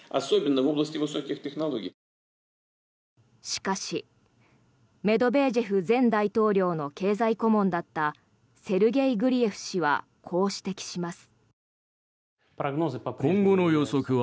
しかしメドベージェフ前大統領の経済顧問だったセルゲイ・グリエフ氏はこう指摘します。